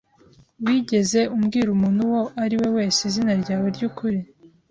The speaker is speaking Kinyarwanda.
Wigeze ubwira umuntu uwo ari we wese izina ryawe ryukuri?